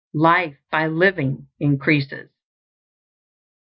Life, by living, increases.